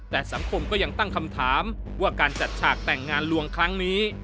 แต่สังคมก็ยังตั้งคำถามว่าการจัดฉากแต่งงานลวงครั้งนี้